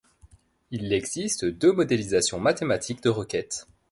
Il existent deux modélisations mathématiques de requêtes.